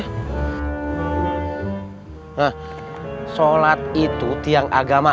hah sholat itu tiang agama